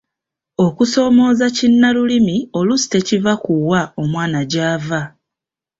Okusoomooza kinnalulimi oluusi tekuva ku wa omwana gy’ava.